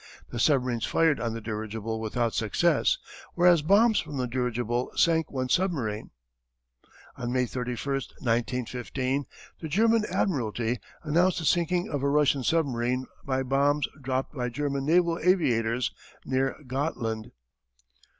The submarines fired on the dirigible without success, whereas bombs from the dirigible sank one submarine. "On May 31, 1915, the German Admiralty announced the sinking of a Russian submarine by bombs dropped by German naval aviators near Gotland.